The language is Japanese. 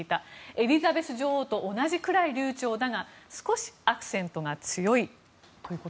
エリザベス女王と同じくらい流暢だが少しアクセントが強いと。